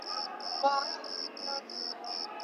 长尖突紫堇为罂粟科紫堇属下的一个种。